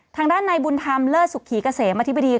ทางด้านในบุญธรรมเลิศสุขีเกษมอธิบดี